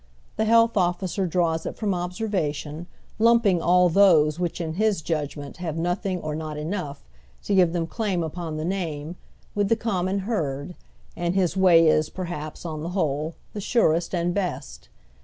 The health officer draws it from observation, lumping all those which in his judgment have nothing, or not enough, to give them claim ujwn tiie name, with the common herd, and his way is, perhaps, on the whole, the sorest and best.